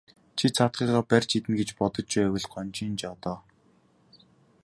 Чи цаадхыгаа барж иднэ гэж бодож байвал гонжийн жоо доо.